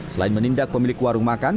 selain menindak pemilik warung makan